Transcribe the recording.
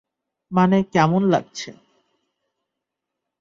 মানে, কেমন লাগছে?